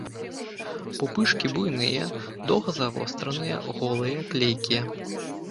Пупышкі буйныя, доўга-завостраныя, голыя, клейкія.